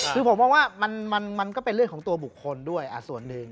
คือผมมองว่ามันก็เป็นเรื่องของตัวบุคคลด้วยส่วนหนึ่ง